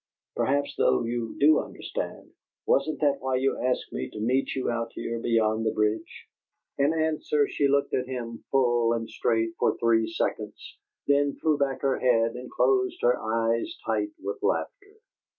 Perhaps, though, you do understand. Wasn't that why you asked me to meet you out here beyond the bridge?" In answer she looked at him full and straight for three seconds, then threw back her head and closed her eyes tight with laughter.